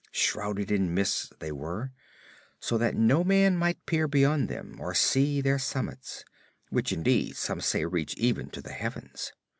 Shrouded in mist they were, so that no man might peer beyond them or see their summits—which indeed some say reach even to the heavens.